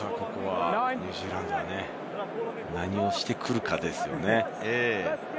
ここはニュージーランドが何をしてくるかですよね。